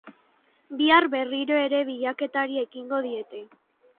Bihar berriro ere bilaketari ekingo diete.